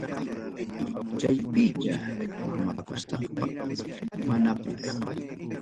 Chaypicha tomakusaqpas manapas.